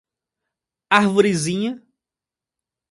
Arvorezinha